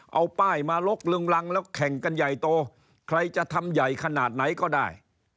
เอาป้ายมาลกลึงรังแล้วแข่งกันใหญ่โตใครจะทำใหญ่ขนาดไหนก็ได้